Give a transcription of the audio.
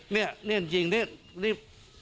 นี่จริงนี่